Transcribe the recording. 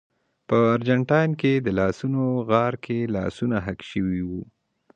په ارجنټاین کې د لاسونو غار کې لاسونه حک شوي وو.